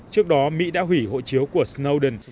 trước đó mỹ đã hủy hội chiếu của snowden